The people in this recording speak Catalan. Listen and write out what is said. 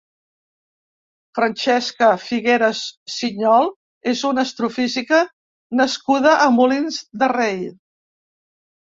Francesca Figueras Siñol és una astrofísica nascuda a Molins de Rei.